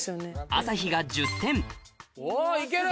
朝日が１０点おぉいける！